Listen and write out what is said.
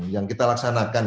yang kita laksanakan